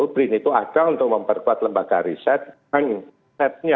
brin itu ada untuk memperkuat lembaga risetnya